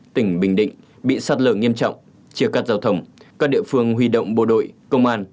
xin chào các bạn